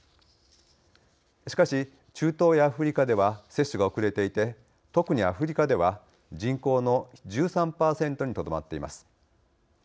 しかし中東やアフリカでは接種が遅れていて特にアフリカでは人口の１３％にとどまっています。